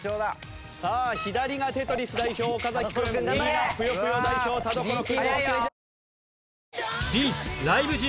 さあ左が『テトリス』代表岡君右が『ぷよぷよ』代表田所君です。